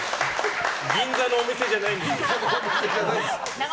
銀座のお店じゃないんですから。